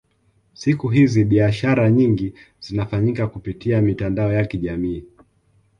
siku hizi biashara nyingi zinafanyika kupitia mitandao ya kijamii